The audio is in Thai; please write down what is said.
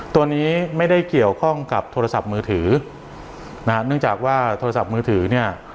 ตัวนี้ไม่ได้เกี่ยวข้องกับโทรศัพท์มือถือนะฮะเนื่องจากว่าโทรศัพท์มือถือเนี่ย